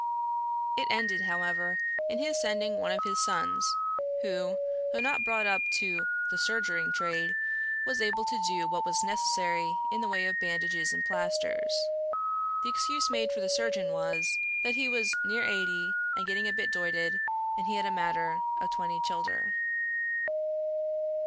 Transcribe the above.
'" It ended, however, in his sending one of his sons, who, though not brought up to "the surgering trade," was able to do what was necessary in the way of bandages and plasters. The excuse made for the surgeon was, that "he was near eighty, and getting a bit doited, and had had a matter o' twenty childer."